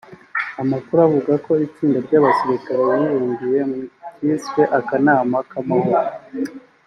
Amakuru avuga ko itsinda ry’abasirikare bibumbiye mu cyiswe ‘akanama k’amahoro’